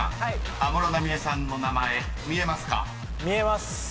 安室奈美恵さんの名前見えますか？］